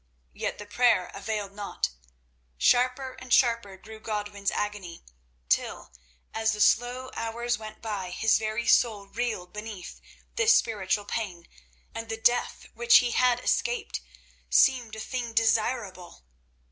Yet the prayer availed not. Sharper and sharper grew Godwin's agony, till, as the slow hours went by, his very soul reeled beneath this spiritual pain, and the death which he had escaped seemed a thing desirable.